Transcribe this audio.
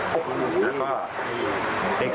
แล้วก็เลข๔๖